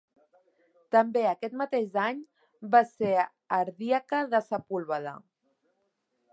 També aquest mateix any va ser ardiaca de Sepúlveda.